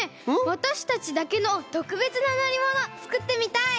わたしたちだけのとくべつなのりものつくってみたい！